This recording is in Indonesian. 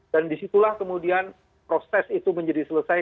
dan disitulah kemudian proses itu menjadi selesai